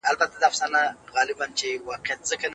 بد خبره زړونه سختوي